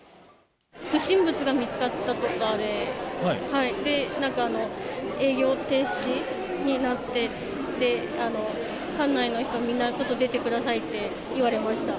不審物が見つかったとかで、なんか営業停止になって、館内の人、みんな外、出てくださいって言われました。